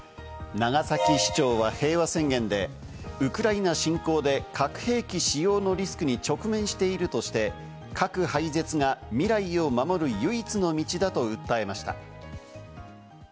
長崎市長は平和宣言でウクライナ侵攻で核兵器使用のリスクに直面しているとして、核廃絶が未来を守る唯一の道だと訴えました。